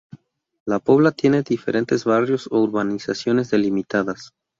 La Pobla tiene diferentes barrios o urbanizaciones delimitadas.